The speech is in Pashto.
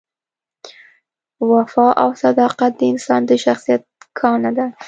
وفا او صداقت د انسان د شخصیت ګاڼه ده.